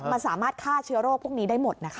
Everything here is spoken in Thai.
มันสามารถฆ่าเชื้อโรคพวกนี้ได้หมดนะคะ